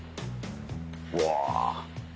うわ。